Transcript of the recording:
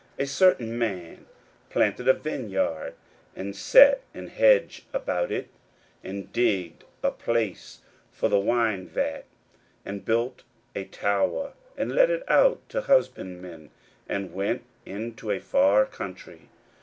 A certain man planted a vineyard, and set an hedge about it, and digged a place for the winefat, and built a tower, and let it out to husbandmen, and went into a far country.